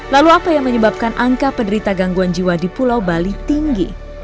lalu apa yang menyebabkan angka penderita gangguan jiwa di pulau bali tinggi